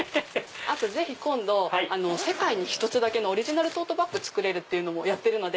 ぜひ今度世界に１つだけのオリジナルトートバッグ作れるっていうのもやってるので。